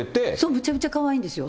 むちゃむちゃかわいいんですよ。